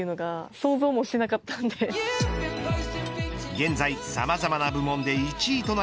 現在さまざまな部門で１位とな